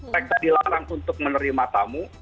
mereka dilarang untuk menerima tamu